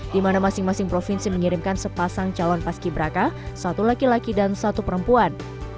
di mana masing masing provinsi mengirimkan sepasang calon paski braka satu laki laki dan satu perempuan